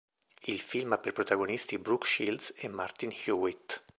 Il film ha per protagonisti Brooke Shields e Martin Hewitt.